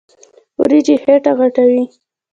وريجې خيټه غټوي.